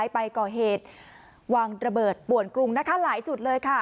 ไปก่อเหตุวางระเบิดป่วนกรุงนะคะหลายจุดเลยค่ะ